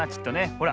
ほら。